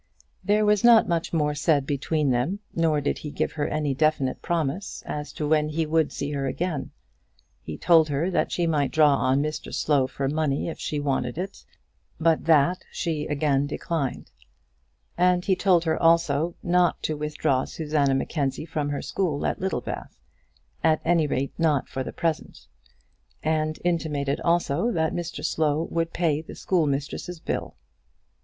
There was not much more said between them, nor did he give her any definite promise as to when he would see her again. He told her that she might draw on Mr Slow for money if she wanted it, but that she again declined. And he told her also not to withdraw Susanna Mackenzie from her school at Littlebath at any rate, not for the present; and intimated also that Mr Slow would pay the schoolmistress's bill.